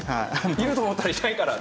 いると思ったらいないから。